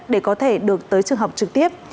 để có thể được tới trường học trực tiếp